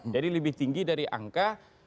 jadi lebih tinggi dari angka